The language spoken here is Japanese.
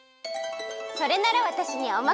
それならわたしにおまかシェル！